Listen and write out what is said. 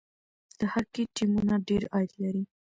د هاکي ټیمونه ډیر عاید لري.